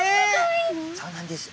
そうなんです。